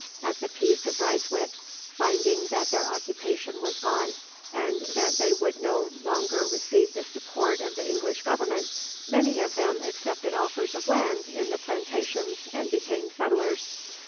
At the peace of Ryswick, finding that their occupation was gone, and that they would not long receive the support of the English government, many of them accepted offers of land in the plantations and became settlers.